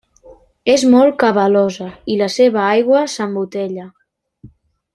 És molt cabalosa i la seva aigua s'embotella.